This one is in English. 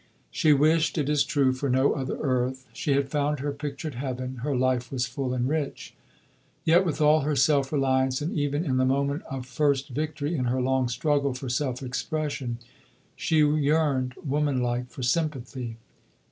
She wished, it is true, for no other earth; she had found her pictured heaven; her life was full and rich. Yet with all her self reliance, and even in the moment of first victory in her long struggle for self expression, she yearned, woman like, for sympathy.